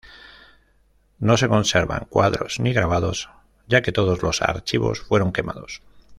No se conservan cuadros ni grabados, ya que todos los archivos fueron quemados.